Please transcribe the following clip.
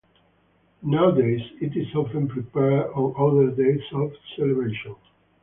Nowadays it is often prepared on other days of celebration.